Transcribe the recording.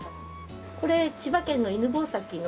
これ千葉県の犬吠埼の。